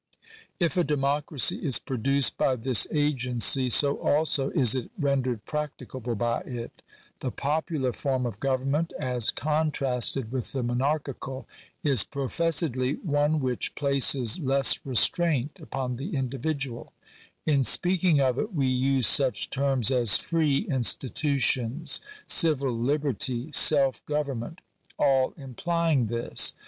If a democracy is produced by this agency, so also is it ren dered practicable by it. The popular form of government as Digitized by VjOOQIC THE CONSTITUTION OF THE STATE. 24 1 contrasted with the monarchical, is professedly one which places less restraint upon the individual. In speaking of it we use such terms as free institutions, civil liberty, self govern ment, all implying this.